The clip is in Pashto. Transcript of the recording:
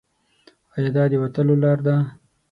ایا دا د وتلو لار ده؟